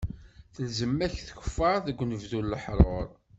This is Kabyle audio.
Telzem-ak tkeffaṛt deg unebdu n leḥṛuṛ.